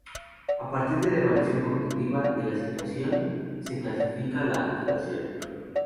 A partir de la evaluación cognitiva de la situación, se clasifica la activación.